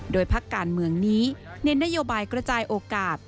โดยพักการเมืองนี้เน้นนโยบายกระจายโอกาส